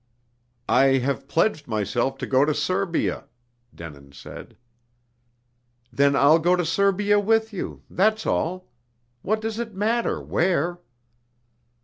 "I have pledged myself to go to Serbia," Denin said. "Then I'll go to Serbia with you, that's all! What does it matter where?"